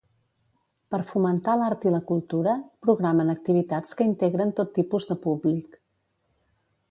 Per fomentar l'art i la cultura, programen activitats que integren tot tipus de públic.